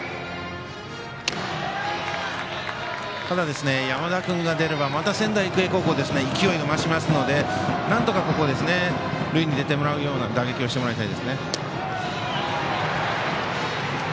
ただ、山田君が出ればまた仙台育英高校勢いが増しますのでなんとか、ここ塁に出てもらうような打撃をしてもらいたいですね。